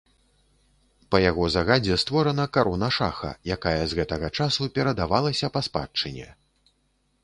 Па яго загадзе створана карона шаха, якая з гэтага часу перадавалася па спадчыне.